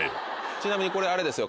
ちなみにこれあれですよ。